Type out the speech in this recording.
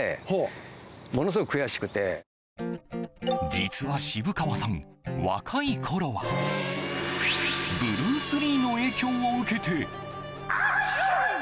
実は渋川さん、若いころはブルース・リーの影響を受けて。